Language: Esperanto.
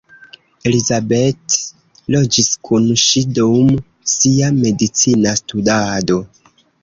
Elizabeth loĝis kun ŝi dum sia medicina studado.